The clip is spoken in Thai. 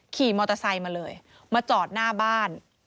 ขี่มอเตอร์ไซค์มาเลยมาจอดหน้าบ้าน